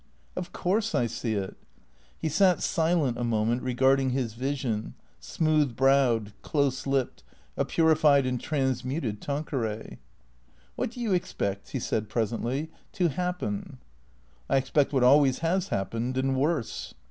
" Of course I see it." He sat silent a moment regarding his vision; smooth browed, close lipped, a purified and transmuted Tapqueray. " What do you expect," he said presently, " to happen ?"" I expect what always has happened, and worse."